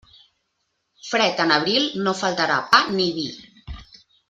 Fred en abril, no faltarà pa ni vi.